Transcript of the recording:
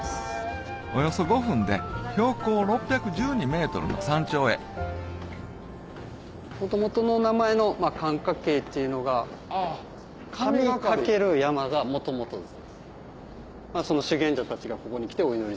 およそ５分で標高６１２ｍの山頂へ元々の名前の寒霞渓っていうのが神懸ける山が元々です。